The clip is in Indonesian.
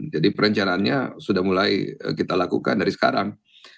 jadi perencanaannya sudah mulai kita lakukan dari sekarang